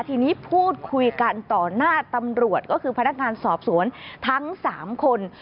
ทีนี้พูดคุยกันต่อหน้าตำรวจก็คือพนักงานสอบสวนทั้ง๓คน